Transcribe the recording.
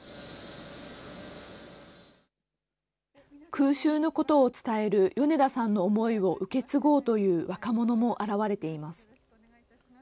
空襲のことを伝える米田さんの思いを受け継ごうという若者も現れています。